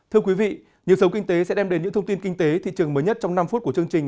thưa quý vị nhiều sống kinh tế sẽ đem đến những thông tin kinh tế thị trường mới nhất trong năm phút của chương trình